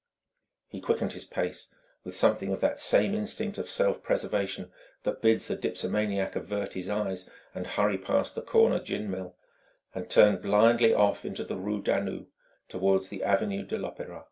He quickened his pace, with something of that same instinct of self preservation that bids the dipsomaniac avert his eyes and hurry past the corner gin mill, and turned blindly off into the rue Danou, toward the avenue de l'Opéra.